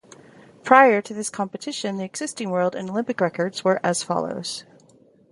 Prior to this competition the existing world and Olympic records were as follows.